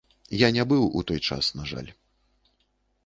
Я не быў у той час, на жаль.